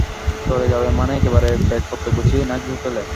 চলে যাবে, মানে একেবারে ব্যাগপত্র গুছিয়ে নাকি হোটেলে?